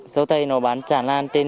sầu tây nó bán tràn lan trên